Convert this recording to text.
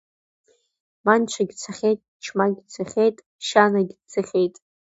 Манчагьы дцахьеит, Ҷымагь дцахьеит, Шьанагь дцахьеит.